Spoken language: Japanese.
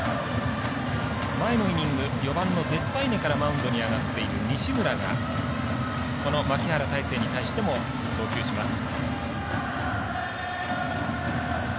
前のイニング４番のデスパイネからマウンドに上がっている西村が、この牧原大成に対しても投球します。